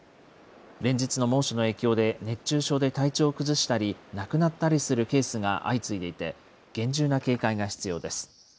連日の猛暑の影響で、熱中症で体調を崩したり、亡くなったりするケースが相次いでいて、厳重な警戒が必要です。